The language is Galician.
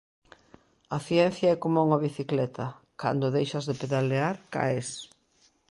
A ciencia é coma unha bicicleta: cando deixas de pedalear, caes.